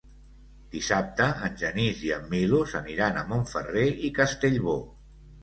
Dissabte en Genís i en Milos aniran a Montferrer i Castellbò.